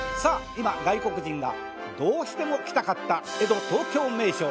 今外国人がどうしても来たかった江戸・東京名所。